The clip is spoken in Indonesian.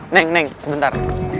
neng neng sebentar